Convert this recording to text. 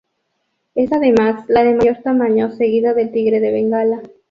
Es además la de mayor tamaño, seguida del tigre de Bengala.